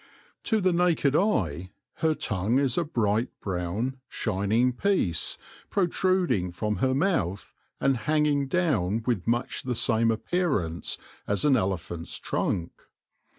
To the naked eye her tongue is a bright brown, shining piece, protruding from her mouth, and hang ing down with much the same appearance as an elephant's trunk.